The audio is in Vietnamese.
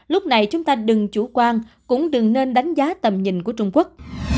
lúc này chúng ta đừng chủ quan cũng đừng nên đánh giá tầm nhìn của trung quốc